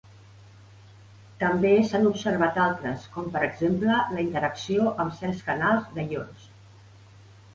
També s'han observat altres, com per exemple la interacció amb certs canals d'ions.